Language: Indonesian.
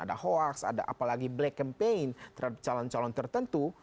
ada hoax ada apalagi black campaign terhadap calon calon tertentu